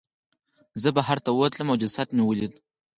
زه بهر ته ووتلم او جسد مې ولید.